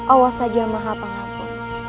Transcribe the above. awas saja maha pengampun